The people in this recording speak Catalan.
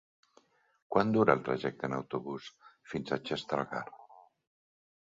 Quant dura el trajecte en autobús fins a Xestalgar?